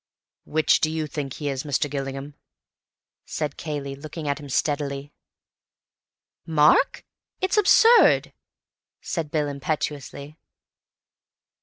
"Which do you think he is, Mr. Gillingham?" said Cayley, looking at him steadily. "Mark? It's absurd," said Bill impetuously.